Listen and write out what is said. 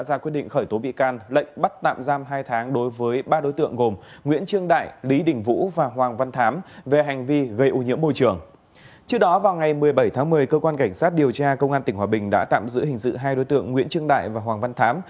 trước đó vào ngày một mươi bảy tháng một mươi cơ quan cảnh sát điều tra công an tỉnh hòa bình đã tạm giữ hình sự hai đối tượng nguyễn trương đại và hoàng văn thám